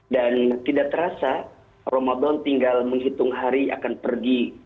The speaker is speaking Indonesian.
dan tidak terasa ramadhan tinggal menghitung hari akan pergi